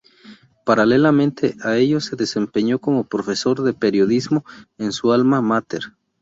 Paralelamente a ello se desempeñó como profesor de periodismo en su alma máter.